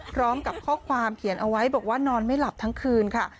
พร้อมกับข้อความเขียนเอาไว้บอกว่านอนไม่หลับทั้งคืนค่ะ